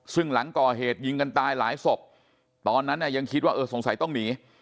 ซึ่งหลังก่อเหตุยิงกันตายหลายศพตอนนั้นเนี่ยยังคิดว่าเออสงสัยต้องหนี